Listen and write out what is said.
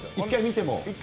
１回見ても。